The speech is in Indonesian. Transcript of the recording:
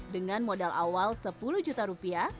dengan modal awal sepuluh juta rupiah